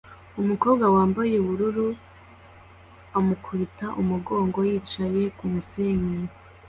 umukobwa wambaye ubururu amukubita umugongo yicaye kumusenyi